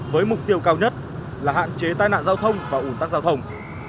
với mục tiêu cao nhất là hạn chế tai nạn giao thông và ủn tắc giao thông